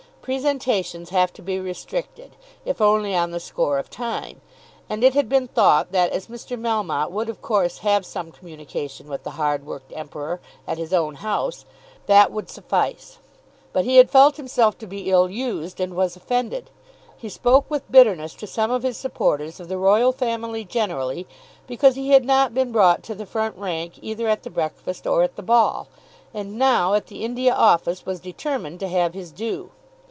Presentations have to be restricted, if only on the score of time; and it had been thought that as Mr. Melmotte would of course have some communication with the hardworked Emperor at his own house, that would suffice. But he had felt himself to be ill used and was offended. He spoke with bitterness to some of his supporters of the Royal Family generally, because he had not been brought to the front rank either at the breakfast or at the ball, and now, at the India Office, was determined to have his due.